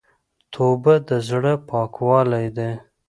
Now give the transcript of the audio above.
توبه د زړه پاکوالی ده.